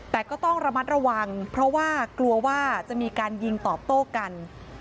แต่ก็ต้องระมัดระวังเพราะว่ากลัวว่าจะมีการยิงตอบโต้กัน